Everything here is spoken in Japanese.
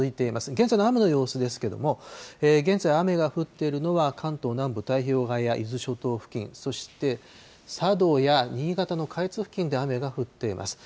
現在の雨の様子ですけれども、現在、雨が降っているのは、関東南部、太平洋側や伊豆諸島付近、そして佐渡や新潟の下越付近で雨が降っています。